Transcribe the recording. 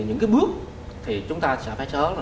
những cái bước thì chúng ta sẽ phải sớm